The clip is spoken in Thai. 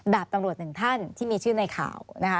ดาบตำรวจหนึ่งท่านที่มีชื่อในข่าวนะคะ